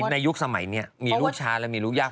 ยุคสมัยนี้มีลูกช้าและมีลูกยาก